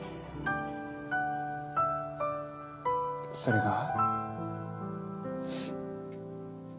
それが。